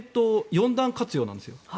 ４段活用なんですよ。